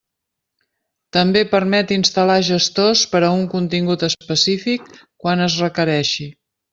També permet instal·lar gestors per a un contingut específic quan es requereixi.